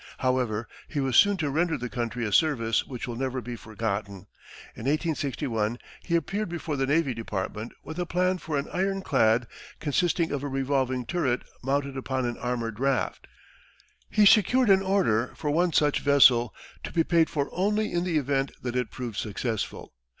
However, he was soon to render the country a service which will never be forgotten. In 1861, he appeared before the navy department with a plan for an iron clad consisting of a revolving turret mounted upon an armored raft. He secured an order for one such vessel, to be paid for only in the event that it proved successful.